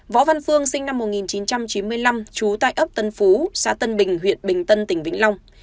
võ văn phương sinh năm một nghìn chín trăm chín mươi năm trú tại ấp tân phú xã tân bình huyện bình tân tỉnh vĩnh long